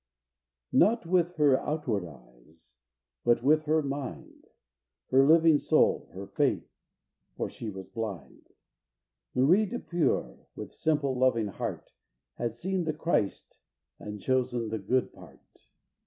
Not with her outward eyes, but with her mind, Her living soul, her faith, for she was blind Marie Depure, with simple, loving heart, Had seen the Christ, and chosen the good part.